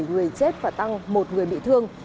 tăng bảy người chết và tăng một người bị thương